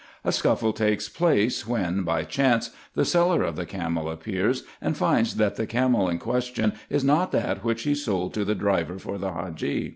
A scuffle takes place, when, by chance, the seller of the camel appears, and finds that the camel in question is not that which he sold to the driver for the Hadgee.